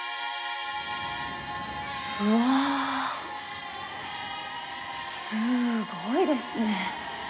うわぁ、すごいですね。